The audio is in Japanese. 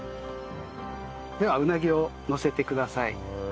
ではうなぎをのせてください。